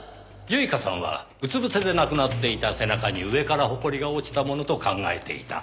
唯香さんはうつ伏せで亡くなっていた背中に上からホコリが落ちたものと考えていた。